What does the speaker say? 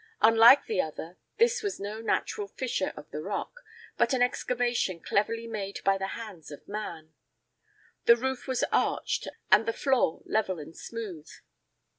Unlike the other, this was no natural fissure of the rock, but an excavation cleverly made by the hands of man. The roof was arched and the floor level and smooth.